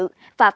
và phát triển